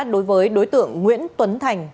đối với đối tượng nguyễn tuấn thành